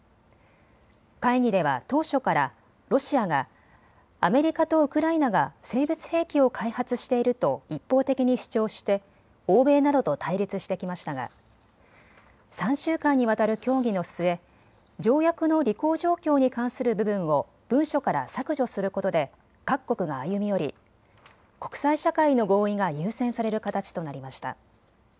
会議では当初からロシアがアメリカとウクライナが生物兵器を開発していると一方的に主張して欧米などと対立してきましたが３週間にわたる協議の末、条約の履行状況に関する部分を文書から削除することで各国が歩み寄り国際社会の合意が優先される形となりました。